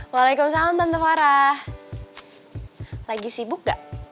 waalaikumsalam tante farah lagi sibuk gak